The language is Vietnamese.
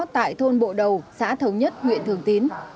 tại thôn bộ đầu xã thống nhất huyện thường tín